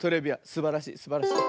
すばらしいすばらしい。